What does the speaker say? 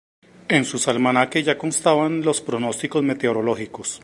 En sus almanaques ya constaban los pronósticos meteorológicos.